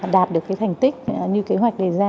đạt được thành tích như kế hoạch đề ra